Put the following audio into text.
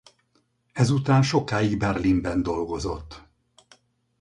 Ezután sokáig Berlinben dolgozott.